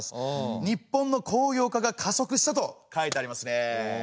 「日本の工業化が加速した」と書いてありますね。